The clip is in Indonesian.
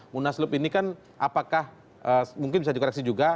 munaslup ini kan apakah mungkin bisa dikoreksi juga